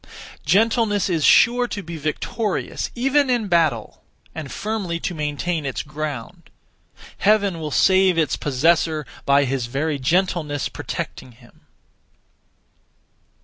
Gentleness is sure to be victorious even in battle, and firmly to maintain its ground. Heaven will save its possessor, by his (very) gentleness protecting him.